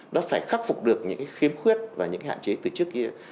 nó phải khắc phục được những khiếm khuyết và những cái hạn chế từ trước kia